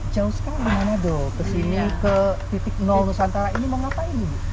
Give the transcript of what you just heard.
jauh sekali manado ke sini ke titik nol nusantara ini mau ngapain ibu